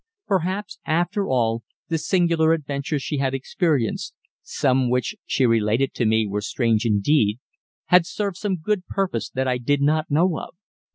Perhaps, after all, the singular adventures she had experienced some which she related to me were strange indeed had served some good purpose I did not know of.